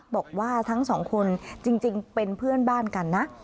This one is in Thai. บอกว่าทั้งสองคนจริงเป็นเพื่อนบ้านกันนะ